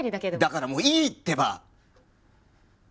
だからもういいってば！